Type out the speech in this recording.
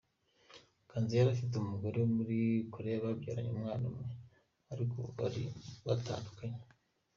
Ganza yari afite umugore wo muri Korea babyaranye umwana umwe ariko ubu bari baratandukanye.